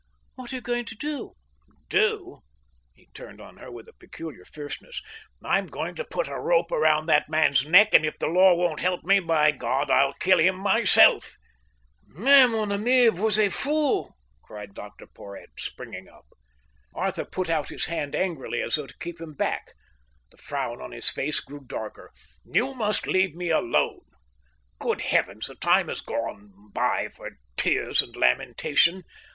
"What are you going to do?" "Do?" He turned on her with a peculiar fierceness. "I'm going to put a rope round that man's neck, and if the law won't help me, by God, I'll kill him myself." "Mais, mon ami, vous êtes fou," cried Dr Porhoët, springing up. Arthur put out his hand angrily, as though to keep him back. The frown on his face grew darker. "You must leave me alone. Good Heavens, the time has gone by for tears and lamentation.